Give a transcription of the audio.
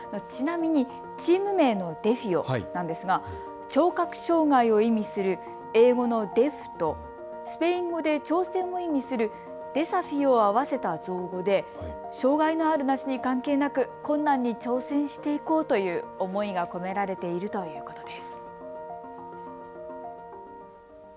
チーム名のデフィオですが聴覚障害を意味する英語のｄｅａｆとスペイン語で挑戦を意味するｄｅｓａｆｉｏを合わせた造語で障害のあるなしに関係なく困難に挑戦していこうという思いが込められているということです。